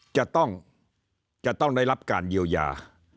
จะต้องจะต้องได้รับการเยียวยา